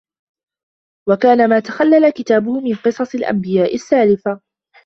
وَكَانَ مَا تَخَلَّلَ كِتَابَهُ مِنْ قَصَصِ الْأَنْبِيَاءِ السَّالِفَةِ